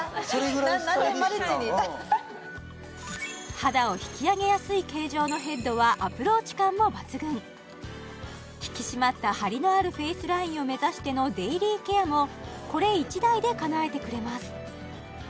肌を引き上げやすい形状のヘッドはアプローチ感も抜群引き締まったハリのあるフェイスラインを目指してのデイリーケアもこれ１台でかなえてくれます・